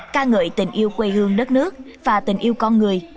ca ngợi tình yêu quê hương đất nước và tình yêu con người